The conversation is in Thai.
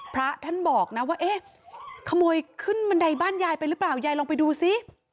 พระท่านบอกนะว่าเอ๊ะขโมยขึ้นบันไดบ้านยายไปหรือเปล่ายายลองไปดูซิ